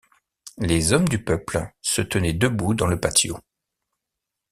Les hommes du peuple se tenaient debout dans le patio.